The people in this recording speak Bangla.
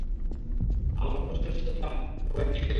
আমার কথা শুনে তো পিতা ভয় পেয়ে গেলেন।